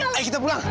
gak mau pulang